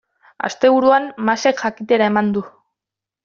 Asteburuan Masek jakitera eman du.